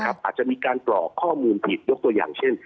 อาจจะมีการกรอกข้อมูลผิดยกตัวอย่างเช่น